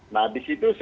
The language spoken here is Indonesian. nah disitu saya